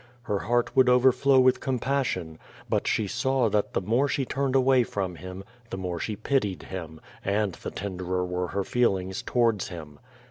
Her heart would overflow with compassion. But she saw that the more she turned away from him, the more she pitied him, and the tenderer were her feelings towards him.